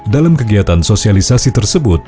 dalam kegiatan sosialisasi tersebut